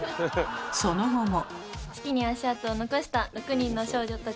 その後も。